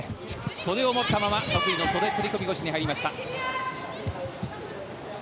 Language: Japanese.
袖を持ったまま得意の袖釣り込み腰に入りました。